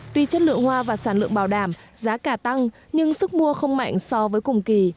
tuy chất lượng hoa và sản lượng bảo đảm giá cả tăng nhưng sức mua không mạnh so với cùng kỳ